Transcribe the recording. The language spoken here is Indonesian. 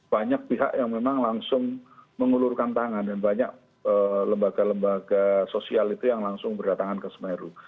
banyak pihak yang memang langsung mengulurkan tangan dan banyak lembaga lembaga sosial itu yang langsung berdatangan ke semeru